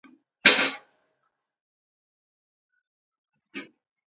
نه کتابونه بشپړ وو او نه یې ژباړې پر لار وې.